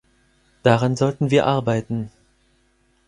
Daran sollten wir arbeiten.